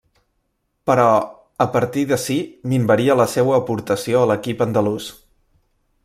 Però, a partir d'ací minvaria la seua aportació a l'equip andalús.